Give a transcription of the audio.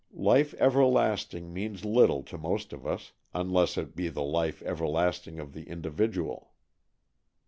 Life everlasting means little to most of us, unless it be the life everlasting of the individual.